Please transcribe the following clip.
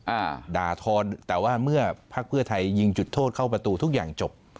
อ่าด่าทอนแต่ว่าเมื่อพักเพื่อไทยยิงจุดโทษเข้าประตูทุกอย่างจบ